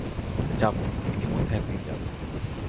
যাব, ইতিমধ্যে একদিন যাব।